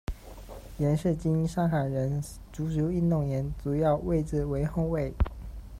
严士鑫，上海人，足球运动员，主要位置为后卫。